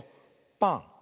「パン」。